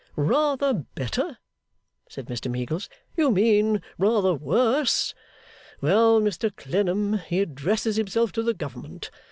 'Rather better?' said Mr Meagles, 'you mean rather worse. Well, Mr Clennam, he addresses himself to the Government.